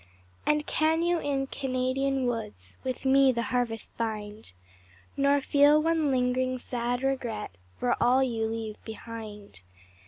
And can you in Canadian woods With me the harvest bind, Nor feel one lingering, sad regret For all you leave behind?